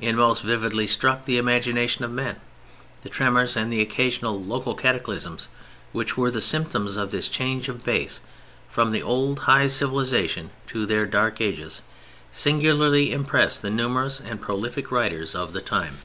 It most vividly struck the imagination of men. The tremors and the occasional local cataclysms which were the symptoms of this change of base from the old high civilization to the Dark Ages, singularly impressed the numerous and prolific writers of the time.